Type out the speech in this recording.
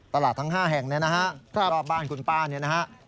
ทั้ง๕แห่งเนี่ยนะฮะรอบบ้านคุณป้าเนี่ยนะฮะ